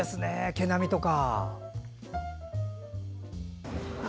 毛並みとか。